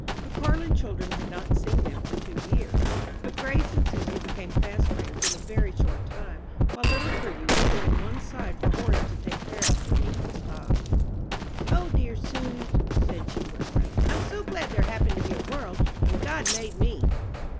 The Parlin children had not seen them for two years; but Grace and Susy became fast friends in a very short time, while little Prudy was thrown one side for Horace to take care of when he could stop. "O dear suz," said she, one morning, "I'm so glad there happened to be a world, and God made me!"